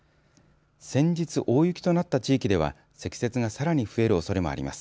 先日、大雪となった地域では積雪がさらに増えるおそれもあります。